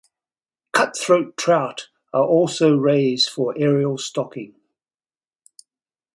Cutthroat trout are also raised for aerial stocking.